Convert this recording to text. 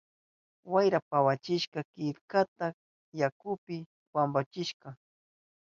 Wayra pawachishka killkata, yakupi wampuchishka.